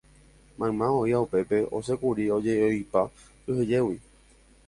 Mayma oĩva upépe osẽkuri ojeʼoipa kyhyjégui.